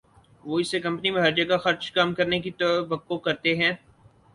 وہ اس سے کمپنی میں ہر جگہ خرچ کم کرنے کی توقع کرتے ہیں